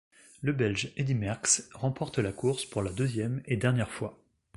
Le Belge Eddy Merckx remporte la course pour la deuxième et dernière fois.